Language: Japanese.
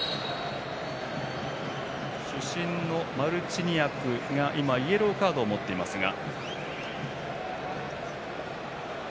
主審のマルチニアクがイエローカードを持っていますが。